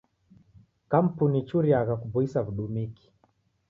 Kampuni ichuriagha kuboisa w'udumiki.